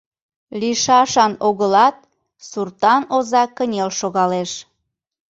Лийшашан огылат, суртан оза кынел шогалеш.